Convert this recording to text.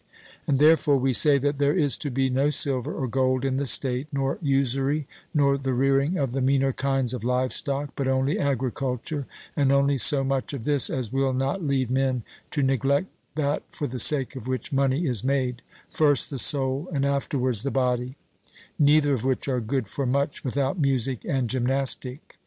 And therefore we say that there is to be no silver or gold in the state, nor usury, nor the rearing of the meaner kinds of live stock, but only agriculture, and only so much of this as will not lead men to neglect that for the sake of which money is made, first the soul and afterwards the body; neither of which are good for much without music and gymnastic.